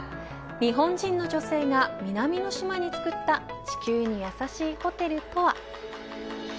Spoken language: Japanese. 日本人の女性が南の島に作った地球にやさしいホテルとは。